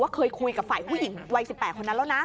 เคยคุยกับฝ่ายผู้หญิงวัย๑๘คนนั้นแล้วนะ